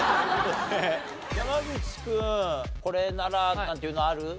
山口君これならなんていうのある？